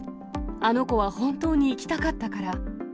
あの子は本当に行きたかったから。